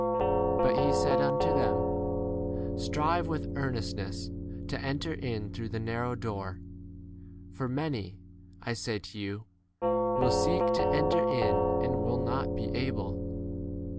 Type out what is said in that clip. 24 But he said unto them, Strive with earnestness to enter in through the narrow door, x for many, I say to you, will seek to enter in and 25 will not be able.